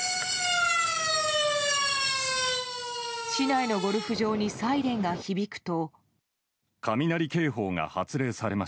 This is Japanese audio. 市内のゴルフ場にサイレンが響くと。